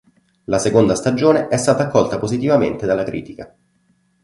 La seconda stagione è stata accolta positivamente dalla critica.